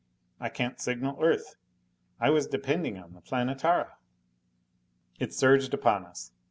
I can't signal Earth! I was depending on the Planetara!" It surged upon us.